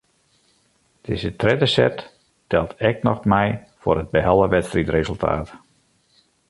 Dizze tredde set teld ek noch mei foar it behelle wedstriidresultaat.